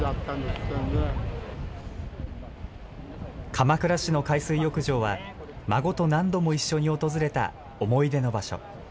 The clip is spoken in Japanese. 鎌倉市の海水浴場は、孫と何度も一緒に訪れた思い出の場所。